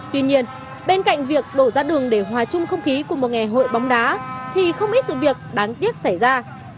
tuy nhiên bên cạnh việc đổ ra đường để hòa chung không khí của một ngày hội bóng đá thì không ít sự việc đáng tiếc xảy ra